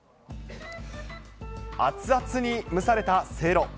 熱々に蒸されたせいろ。